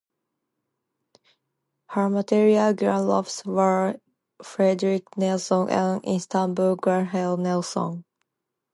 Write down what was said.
Her maternal grandparents were Frederick Neilson and Isabelle Gebhard Neilson.